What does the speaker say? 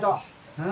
うん？